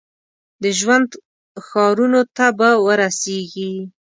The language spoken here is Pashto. د ژوند ښارونو ته به ورسیږي ؟